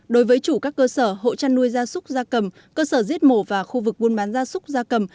đối với chủ các cơ sở hộ chăn nuôi gia súc gia cầm cơ sở giết mổ và khu vực buôn bán gia súc gia cầm